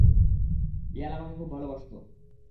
ইয়াল, আমাকে খুব ভালোবাসতো।